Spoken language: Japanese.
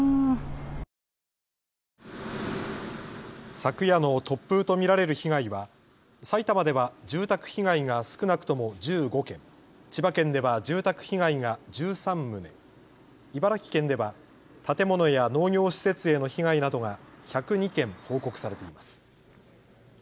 昨夜の突風と見られる被害は埼玉では住宅被害が少なくとも１５件、千葉県では住宅被害が１３棟、茨城県では建物や農業施設への被害などが１０２件報告されています。